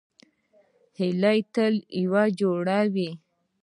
هیلۍ تل یو جوړ وي